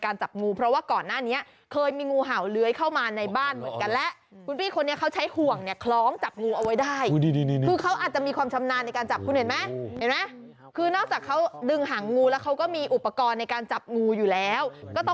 คุณถ้างั้นคุณไปบ้านดิฉันไม่ได้นะเขาจะมาหนีบคุณโอ้โฮ